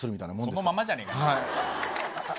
そのままじゃないかよ。